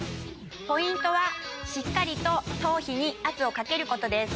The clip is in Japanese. ポイントはしっかりと。をかけることです。